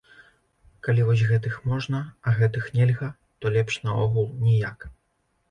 Калі вось гэтых можна, а гэтых нельга, то лепш наогул ніяк.